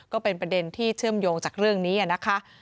ก็เป็นประเด็นที่เชื่อมโยงจากเรื่องนี้นะคะ